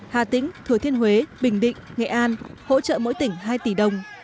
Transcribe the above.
hà tĩnh thừa thiên huế bình định nghệ an hỗ trợ mỗi tỉnh hai tỷ đồng